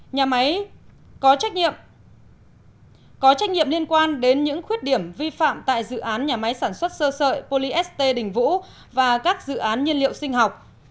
nhà máy có trách nhiệm liên quan đến những khuyết điểm vi phạm tại dự án nhà máy sản xuất sơ sợi polyst đình vũ và các dự án nhiên liệu sinh học